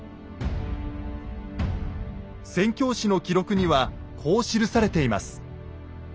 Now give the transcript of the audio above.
宣教師の記録にはこう記されています。